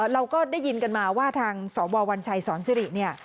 เราก็ได้ยินกันมาว่าทางสอบว่าวัญชัยสอนสิริ